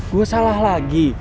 gue salah lagi